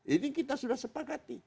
ini kita sudah sepakat